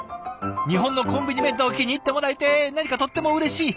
日本のコンビニ弁当を気に入ってもらえて何かとってもうれしい。